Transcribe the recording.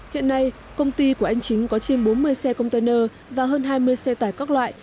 hiện nay công ty của anh chính có trên bốn mươi xe container và hơn hai mươi xe tải các loại